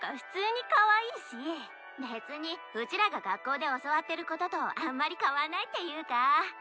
別にうちらが学校で教わってるこあんまり変わんないっていうか